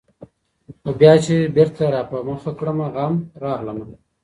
خو بيا چي بېرته راپه مخه کړمه غم ، راغلمه